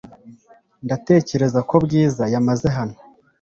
Ndatekereza ko Bwiza yamaze hano .